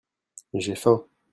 J'ai faim.